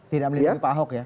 tidak melindungi pak ahok ya